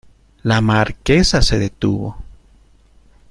la Marquesa se detuvo.